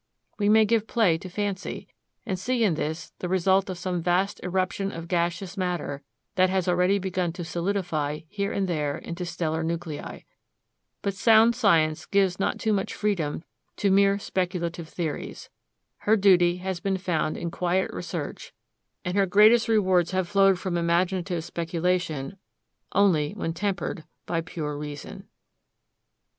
We might give play to fancy, and see in this the result of some vast eruption of gaseous matter that has already begun to solidify here and there into stellar nuclei. But sound science gives not too great freedom to mere speculative theories. Her duty has been found in quiet research, and her greatest rewards have flowed from imaginative speculation, only when tempered by pure reason.